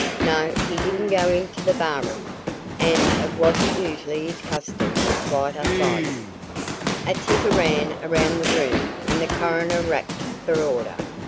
"No, he didn't go into the bar room and it wasn't usually his custom to slight us either." A titter ran around the room and the coroner rapped for order.